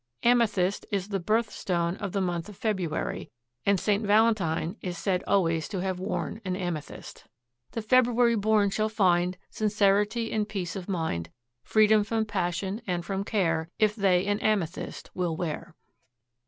Amethyst is the "birth stone" of the month of February, and St. Valentine is said always to have worn an amethyst. "The February born shall find Sincerity and peace of mind, Freedom from passion and from care If they an amethyst will wear."